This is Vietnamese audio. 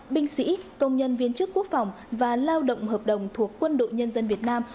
binh sĩ công nhân viên chức quốc phòng và lao động hợp đồng thuộc quân đội nhân dân việt nam